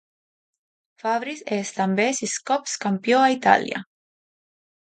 Fabris és també sis cops campió a Italià.